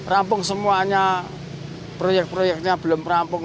rampung semuanya proyek proyeknya belum rampung